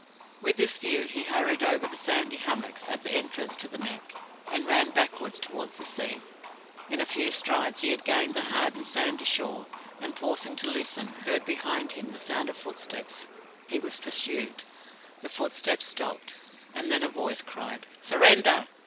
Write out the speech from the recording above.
With this view, he hurried over the sandy hummocks at the entrance to the Neck, and ran backwards towards the sea. In a few strides he had gained the hard and sandy shore, and, pausing to listen, heard behind him the sound of footsteps. He was pursued. The footsteps stopped, and then a voice cried "Surrender!"